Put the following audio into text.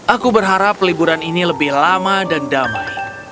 aku berharap liburan ini lebih lama dan damai